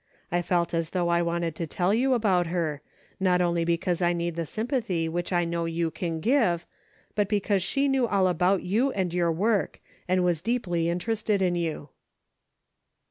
I felt as though I wanted to tell you about her, not only because I need the sympathy which I know you can give, but be cause she knew all about you and your work, and was deeply interested in you."